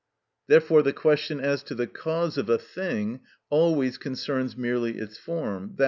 Therefore the question as to the cause of a thing always concerns merely its form, _i.